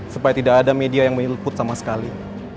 supaya tidak ada media yang menyeleput sama sekali